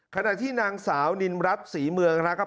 ขณะที่นางสาวนินรัฐศรีเมืองนะครับ